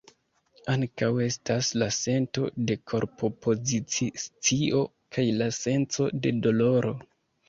Ankaŭ estas la sento de korpopozici-scio kaj la senco de doloro.